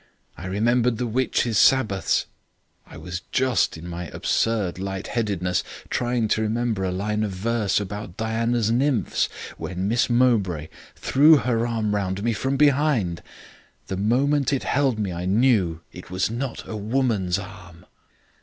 I remembered the witches' Sabbaths. I was just, in my absurd lightheadedness, trying to remember a line of verse about Diana's nymphs, when Miss Mowbray threw her arm round me from behind. The moment it held me I knew it was not a woman's arm.